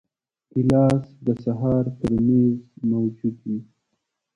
ګیلاس د سهار پر میز موجود وي.